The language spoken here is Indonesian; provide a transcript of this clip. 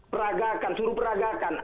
peragakan suruh peragakan